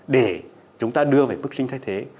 để chúng ta đưa về mức sinh thay thế